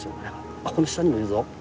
あこの下にもいるぞ。